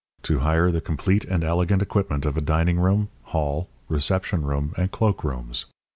To hire the complete and elegant equipment of a dining room, hall, reception room, and cloak rooms.